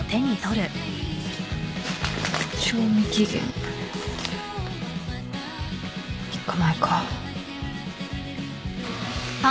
賞味期限３日前か。